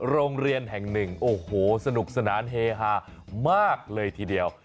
โรงเรียนแห่งหนึ่งโอ้โหสนุกสนานเฮฮามากเลยทีเดียว